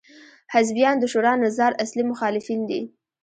حزبیان د شورا نظار اصلي مخالفین دي.